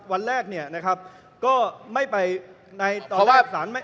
วันแรกเนี่ยนะครับก็ไม่ไปในตอนแรกศาล